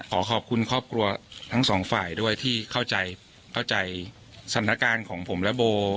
ขอขอบคุณครอบครัวทั้งสองฝ่ายด้วยที่เข้าใจเข้าใจสถานการณ์ของผมและโบ